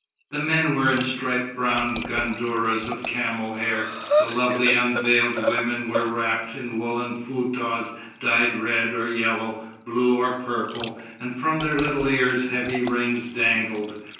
The men were in striped brown gandourahs of camel's hair; the lovely unveiled women were wrapped in woollen foutahs dyed red or yellow, blue or purple, and from their little ears heavy rings dangled.